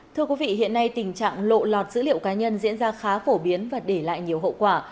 thưa quý vị hiện nay tình trạng lộ lọt dữ liệu cá nhân diễn ra khá phổ biến và để lại nhiều hậu quả